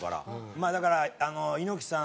まあだから猪木さん